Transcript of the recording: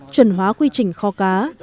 chuẩn hóa quy trình kho cá